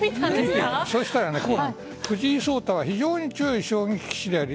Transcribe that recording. そしたら藤井聡太は非常に強い将棋棋士である。